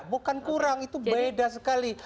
bukan kurang itu beda sekali